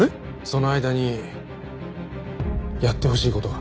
その間にやってほしい事が。